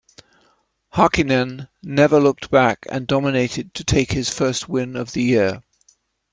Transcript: Häkkinen never looked back and dominated to take his first win of the year.